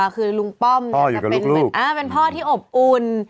คือลุงป้อมเป็นพ่อที่อบอุ่น